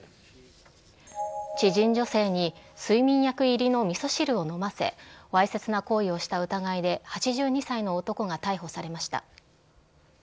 知人女性に睡眠薬入りの味噌汁を飲ませわいせつな行為をした疑いで８２歳の男が逮捕されました。